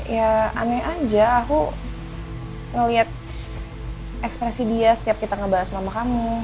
ya aneh aja aku ngeliat ekspresi dia setiap kita ngebahas mama kamu